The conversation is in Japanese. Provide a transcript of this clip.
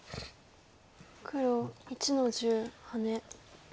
黒１の十ハネ。